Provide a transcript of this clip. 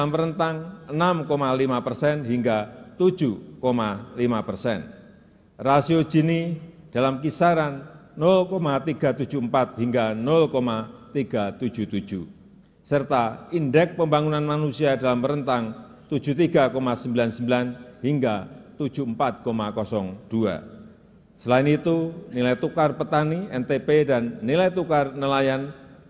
lima persen hingga lima tujuh persen